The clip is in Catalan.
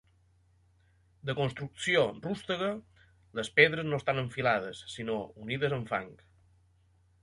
De construcció rústega, les pedres no estan en filades sinó unides amb fang.